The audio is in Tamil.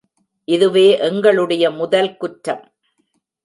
இதுவே எங்களுடைய முதல் குற்றம்.